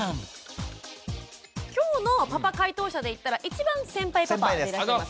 今日のパパ解答者でいったら一番先輩パパになります。